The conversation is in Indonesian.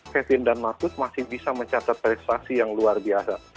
kevin dan marcus masih bisa mencatat prestasi yang luar biasa